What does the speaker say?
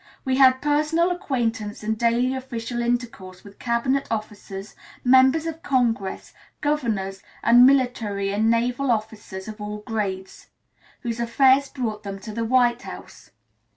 We had personal acquaintance and daily official intercourse with Cabinet Officers, Members of Congress, Governors, and Military and Naval Officers of all grades, whose affairs brought them to the White House.